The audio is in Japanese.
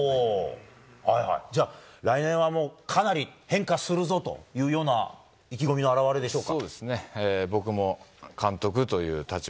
じゃあ、来年はもう、かなり変化するぞというような意気込みのあらわれでしょうか。